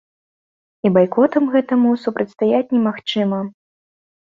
І байкотам гэтаму супрацьстаяць немагчыма.